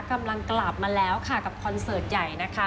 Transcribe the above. กำลังกลับมาแล้วค่ะกับคอนเสิร์ตใหญ่นะคะ